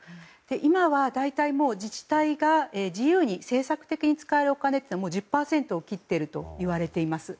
今は大体、自治体が自由に政策的に使えるお金というのは１０％を切っているといわれています。